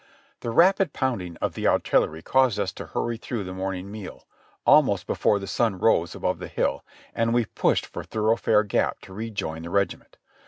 The rapid pounding of the artillery caused us to hurry through the morning meal, almost before the sun rose above the hill, and we pushed for Thoroughfare Gap to rejoin the regiment.